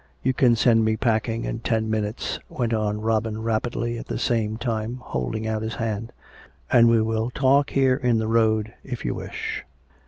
" You can send me packing in ten minutes," went on Robin rapidly, at the same time holding out his hand. " And we will talk here in the road, if you will."